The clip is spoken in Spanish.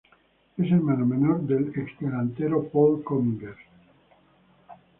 Es hermano menor del ex delantero Paul Cominges.